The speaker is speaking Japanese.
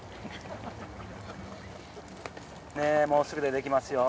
もうすぐでできますよ。